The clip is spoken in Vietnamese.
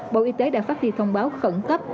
bộ y tế đã phát đi thông báo khẩn cấp